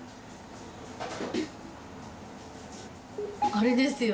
あれですよ